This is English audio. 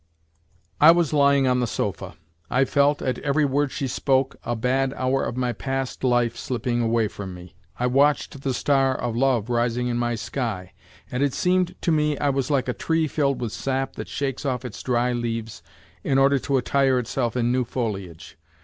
I was lying on the sofa; I felt, at every word she spoke, a bad hour of my past life slipping away from me. I watched the star of love rising in my sky, and it seemed to me I was like a tree filled with sap that shakes off its dry leaves in order to attire itself in new foliage.